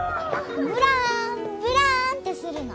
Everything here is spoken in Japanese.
ブラーンブラーンってするの。